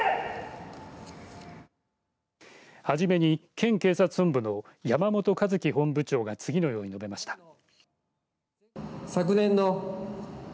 はじめに県警察本部の山本和毅本部長が次のように述べました。